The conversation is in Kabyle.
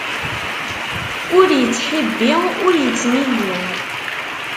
Ur ittḥibbi, ur ittmilli.